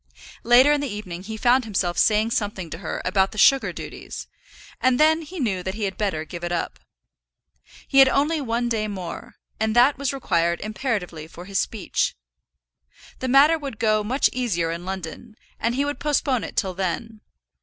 Later in the evening he found himself saying something to her about the sugar duties, and then he knew that he had better give it up. He had only one day more, and that was required imperatively for his speech. The matter would go much easier in London, and he would postpone it till then.